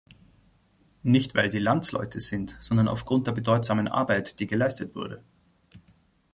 Nicht weil sie Landsleute sind, sondern aufgrund der bedeutsamen Arbeit, die geleistet wurde.